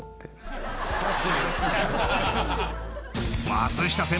［松下先輩